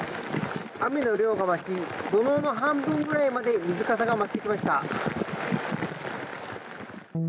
雨の量が増し土のうの半分ぐらいまで水かさが増してきました。